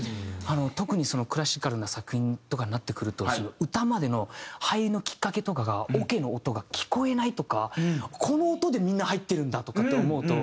特にクラシカルな作品とかになってくると歌までの入りのきっかけとかがオケの音が聞こえないとかこの音でみんな入ってるんだとかって思うと。